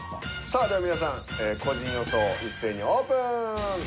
さあでは皆さん個人予想一斉にオープン。